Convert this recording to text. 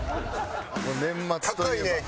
年末といえば。